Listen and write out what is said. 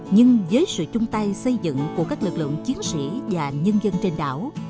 nhưng với sự chung tay xây dựng của các lực lượng chiến sĩ và nhân dân trên đảo